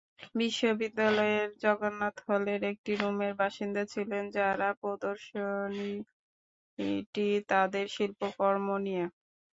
বিশ্ববিদ্যালয়ের জগন্নাথ হলের একটি রুমের বাসিন্দা ছিলেন যাঁরা, প্রদর্শনীটি তাঁদের শিল্পকর্ম নিয়ে।